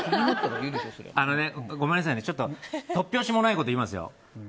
ごめんなさいね突拍子もないこと言いますよ。